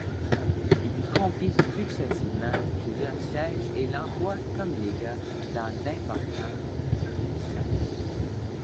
Il lui confie successivement plusieurs sièges et l'emploie comme légat dans d'importantes missions.